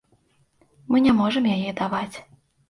Мы не можам яе даваць.